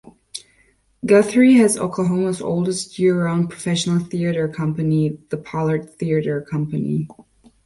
Guthrie has Oklahoma's oldest year-round professional theatre company, the Pollard Theatre Company.